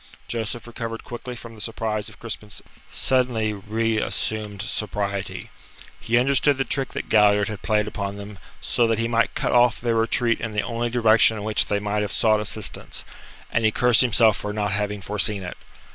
Joseph recovered quickly from the surprise of Crispin's suddenly reassumed sobriety. He understood the trick that Galliard had played upon them so that he might cut off their retreat in the only direction in which they might have sought assistance, and he cursed himself for not having foreseen it.